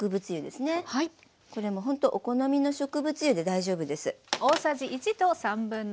これもほんとお好みの植物油で大丈夫です。